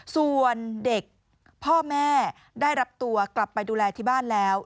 ส่วนเด็กพ่อแม่ได้รับตัวกลับไปดูแลที่บ้านแล้ว